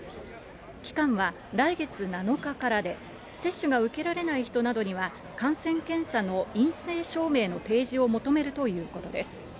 期間は来月７日からで、接種が受けられない人などには、感染検査の陰性証明の提示を求めるということです。